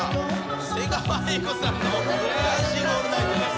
瀬川瑛子さんの『ダンシング・オールナイト』です。